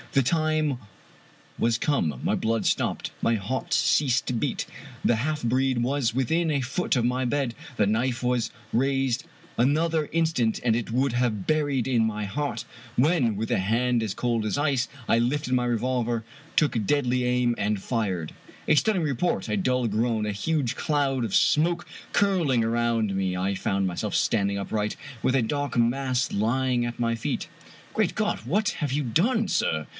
The time was come. My blood stopped, my heart ceased to beat. The half breed was within a foot of my bed, the knife was raised, another in stant and it would have been buried in my heart, when, with a hand as cold as ice, I lifted my revolver, took deadly aim, and fired! A stunning report, a dull g^oan, a huge cloud of smoke curling around me, and I found myself standing upright, with a dark mass lying at my feet. "Great God! what have you done, sir?"